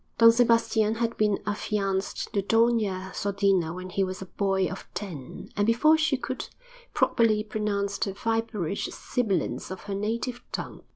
Don Sebastian had been affianced to Doña Sodina when he was a boy of ten, and before she could properly pronounce the viperish sibilants of her native tongue.